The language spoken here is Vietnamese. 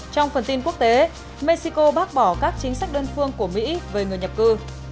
trong phần tin quốc tế mexico bác bỏ các chính sách đơn phương của mỹ về người nhập cư